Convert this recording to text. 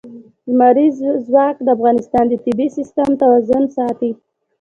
لمریز ځواک د افغانستان د طبعي سیسټم توازن ساتي.